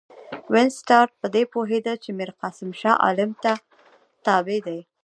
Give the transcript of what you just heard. وینسیټارټ په دې پوهېدی چې میرقاسم شاه عالم ته تابع دی.